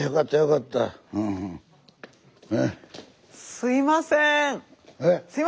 すみません。